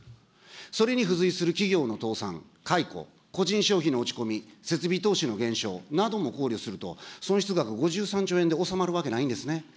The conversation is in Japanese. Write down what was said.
それに付随する企業の倒産、解雇、個人消費の落ち込み、設備投資の減少なども考慮すると、損失額５３兆円で収まるわけないんですね。